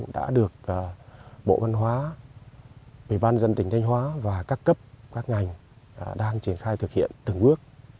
các bộ văn hóa bệnh văn dân tỉnh thanh hóa và các cấp các ngành đang triển khai thực hiện từng bước